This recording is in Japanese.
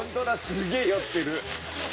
すげえ寄ってる。